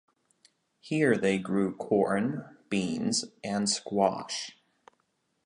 Here they grew corn, beans and squash.